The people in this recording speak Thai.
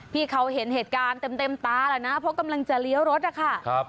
ที่เขาเห็นเหตุการณ์เต็มตาแหละนะเพราะกำลังจะเลี้ยวรถนะคะ